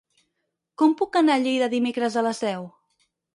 Com puc anar a Lleida dimecres a les deu?